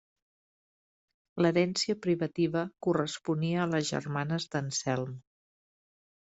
L'herència privativa corresponia a les germanes d'Anselm.